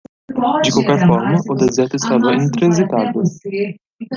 De qualquer forma, o deserto estava intransitável.